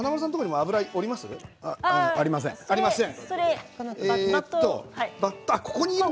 ありません。